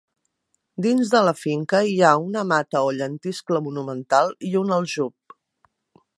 Dins de la finca hi ha una mata o llentiscle monumental i un aljub.